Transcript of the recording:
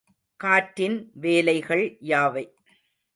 காற்றின் வேலைகள் யாவை?